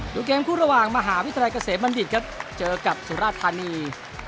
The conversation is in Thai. ดูเกมคู่ระหว่างมหาวิทยาลัยเกษมบัณฑิตครับเจอกับสุราธานี